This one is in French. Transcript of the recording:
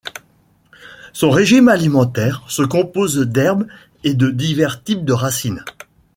Son régime alimentaire se compose d'herbe et de divers types de racines.